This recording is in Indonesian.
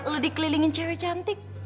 lo dikelilingi cewek cantik